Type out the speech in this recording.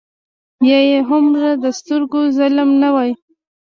یا یې هومره د سترګو ظلم نه وای.